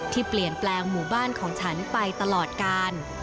ที่เปลี่ยนแปลงหมู่บ้านของฉันไปตลอดกาล